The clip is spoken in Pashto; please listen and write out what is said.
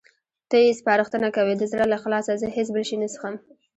ته یې سپارښتنه کوې؟ د زړه له اخلاصه، زه هېڅ بل شی نه څښم.